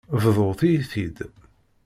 Bḍut-iyi-t-id.